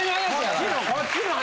こっちのこっちの話。